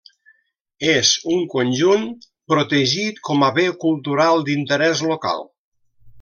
És un conjunt protegit com a Bé Cultural d'Interès Local.